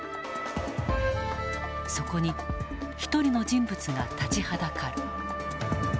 そこに一人の人物が立ちはだかる。